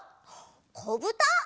こぶた！